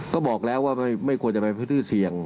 ก็บอกแล้วว่าไม่ควรจะไปพฤทธิเชียง